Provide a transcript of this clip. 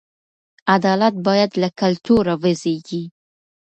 عدالت باید له کلتوره وزېږي.